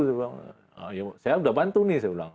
saya bilang saya sudah bantu nih